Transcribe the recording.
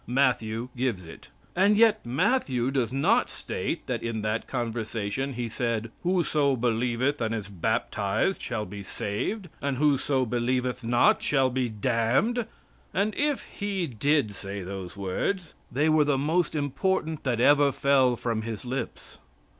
Matthew gives it. And yet Matthew does not state that in that conversation He said: "Whoso believeth and is baptized shall be saved, and whoso believeth not shall be damned." And if He did say those words, they were the most important that ever fell from His lips.